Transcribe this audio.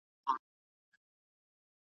پوهېږمه په ځان د لېونو کانه راکېږي ,